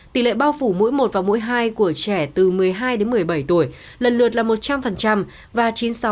tỷ lệ bao phủ mỗi một và mũi hai của trẻ từ một mươi hai đến một mươi bảy tuổi lần lượt là một trăm linh và chín mươi sáu